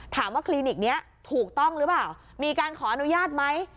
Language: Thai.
คลินิกนี้ถูกต้องหรือเปล่ามีการขออนุญาตไหม